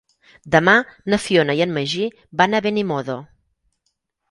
Demà na Fiona i en Magí van a Benimodo.